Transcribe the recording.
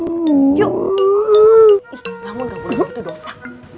bangun gak boleh begitu dosa